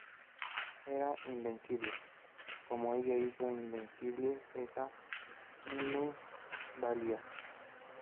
Eran invisibles, como ella hizo invisible esa minusvalía.